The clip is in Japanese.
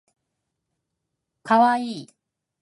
かわいい